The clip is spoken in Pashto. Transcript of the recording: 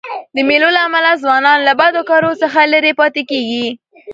د مېلو له امله ځوانان له بدو کارو څخه ليري پاته کېږي.